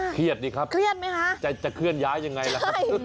เครียดดิครับจะเคลื่อนย้ายยังไงล่ะครับ